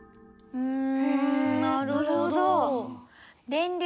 うん？